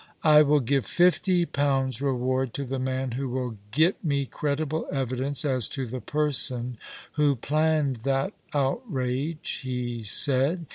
" I will give fifty pounds reward to the man who will get me credible evidence as to the person who planned that outrage," he said.